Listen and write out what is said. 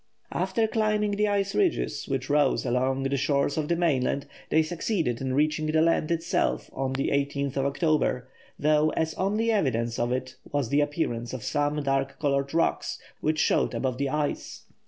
After climbing the ice ridges, which rose along the shores of the mainland, they succeeded in reaching the land itself on October 18, though the only evidence of it was the appearance of some dark coloured rocks which showed above the ice.